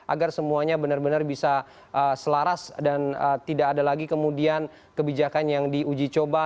agar semuanya benar benar bisa selaras dan tidak ada lagi kemudian kebijakan yang diuji coba